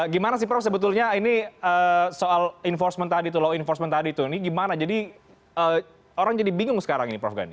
dari seluruh jajaran